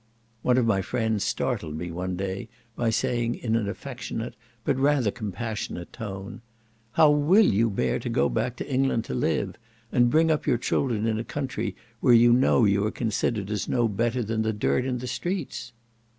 One of my friends startled me one day by saying in an affectionate, but rather compassionate tone, "How will you bear to go back to England to live, and to bring up your children in a country where you know you are considered as no better than the dirt in the streets?"